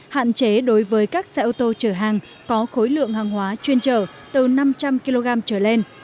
hạn chế đối với các xe ô tô chở hàng có khối lượng hàng hóa chuyên trở từ năm trăm linh kg trở lên